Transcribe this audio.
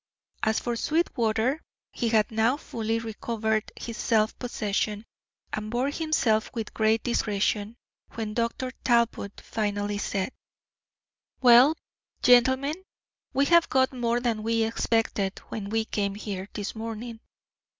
As for Sweetwater, he had now fully recovered his self possession, and bore himself with great discretion when Dr. Talbot finally said: "Well, gentlemen, we have got more than we expected when we came here this morning.